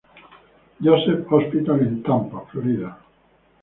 Joseph's Hospital en Tampa, Florida.